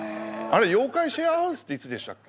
「妖怪シェアハウス」っていつでしたっけ？